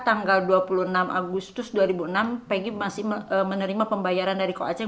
tanggal dua puluh enam agustus dua ribu enam pg masih menerima pembayaran dari koach